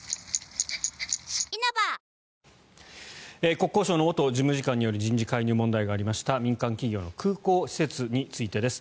国交省の元事務次官による人事介入問題がありました民間企業の空港施設についてです。